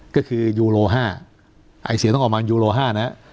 ก็คือยูโล๕ไอเสียต้องออกมายูโล๕นะ